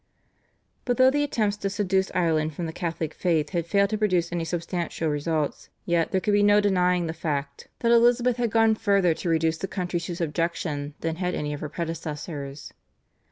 " But though the attempts to seduce Ireland from the Catholic faith had failed to produce any substantial results, yet there could be no denying the fact that Elizabeth had gone further to reduce the country to subjection than had any of her predecessors.